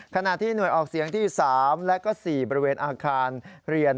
ขณะที่หน่วยออกเสียงที่๓และก็๔บริเวณอาคารเรียน